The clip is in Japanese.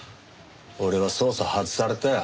俺は捜査を外されたよ。